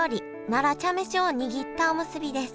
奈良茶飯をにぎったおむすびです。